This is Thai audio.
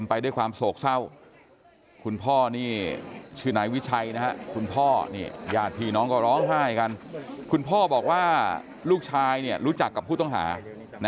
ตะบนขาวต่ออำเภอปรายพระยาก็แน่นอนแล้วครับก็เต็มไปด้วยความโศกส้าว